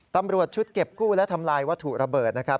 ตำรวจชุดเก็บกู้และทำลายวัตถุระเบิดนะครับ